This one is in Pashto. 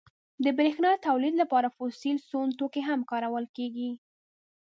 • د برېښنا د تولید لپاره فوسیل سون توکي هم کارول کېږي.